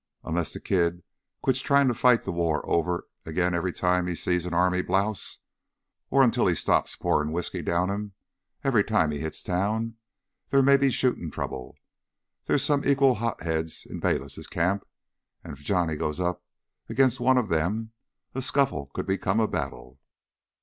Unless the kid quits trying to fight the war over again every time he sees an army blouse—or until he stops pouring whisky down him every time he hits town—there may be shooting trouble. There're some equal hot heads in Bayliss' camp, and if Johnny goes up against one of them, a scuffle could become a battle."